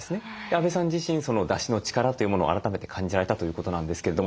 阿部さん自身だしの力というものを改めて感じられたということなんですけれども。